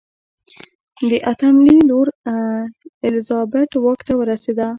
د اتم لي لور الیزابت واک ته ورسېده.